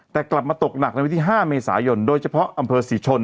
แต่กลับมาตกหนักในวันที่๕เมษายนโดยเฉพาะอำเภอศรีชน